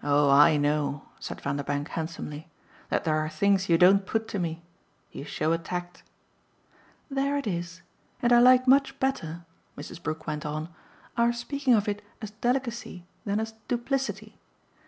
"Oh I know," said Vanderbank handsomely, "that there are things you don't put to me! You show a tact!" "There it is. And I like much better," Mrs. Brook went on, "our speaking of it as delicacy than as duplicity.